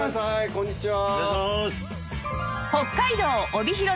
こんにちは。